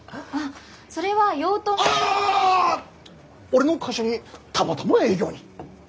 俺の会社にたまたま営業に。